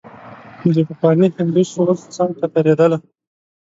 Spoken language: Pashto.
د پخواني هندو سوز څنګ ته تېرېدله.